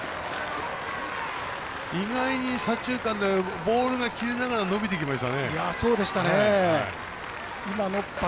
意外に左中間に切れながら伸びていきましたね。